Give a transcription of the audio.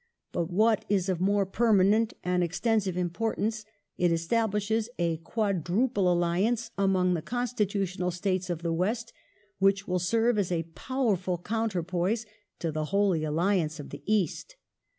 ... But, what is of more permanent and extensive importance, it establishes a Quad ruple Alliance among the constitutional States of the West, which will serve as a powerful counterpoise to the Holy Alliance of the East.